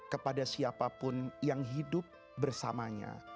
kepada siapapun yang hidup bersamanya